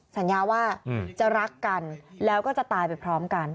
สัญญาว่าจะรักกันแล้วก็จะตายไปพร้อมกัน